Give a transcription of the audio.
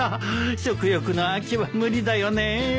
食欲の秋は無理だよねえ。